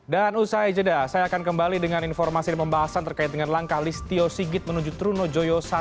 dan usai jeda saya akan kembali dengan informasi dan pembahasan terkait dengan langkah listio sigit menuju truno joyo satu